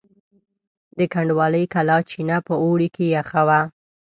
د کنډوالې کلا چینه په اوړي کې یخه وه.